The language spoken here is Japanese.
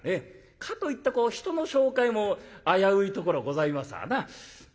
かといって人の紹介も危ういところございますわな。